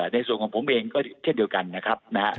ในส่วนของผมเองก็เท่าเดียวกัน